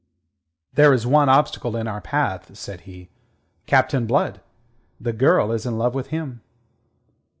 "There is one obstacle in our path," said he. "Captain Blood. The girl is in love with him."